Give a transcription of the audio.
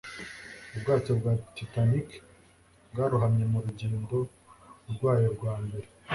Ubwato bwa Titanic bwarohamye mu rugendo rwayo rwa mbere.